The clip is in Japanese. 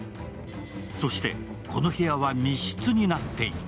そして、この部屋は密室になっていた。